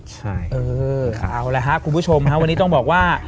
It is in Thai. ใช่เออเอาละครับคุณผู้ชมฮะวันนี้ต้องบอกว่า